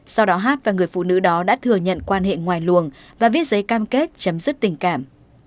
sau đó hát và người phụ nữ đó đã thừa nhận quan hệ ngoài luồng và viết giấy cam kết chấm dứt tình cảm